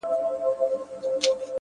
هغي نجلۍ چي زما له روحه به یې ساه شړله،